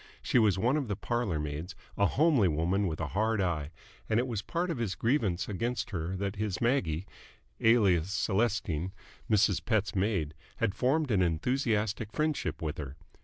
She was one of the parlour maids, a homely woman with a hard eye, and it was part of his grievance against her that his Maggie, alias Celestine, Mrs. Pett's maid, had formed an enthusiastic friendship with her.